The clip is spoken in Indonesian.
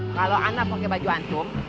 kalau anak pakai baju antum